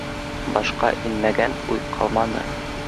Башҡа инмәгән уй ҡалманы.